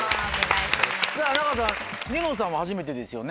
さぁ仲さん『ニノさん』は初めてですよね。